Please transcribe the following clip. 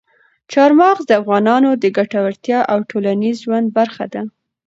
چار مغز د افغانانو د ګټورتیا او ټولنیز ژوند برخه ده.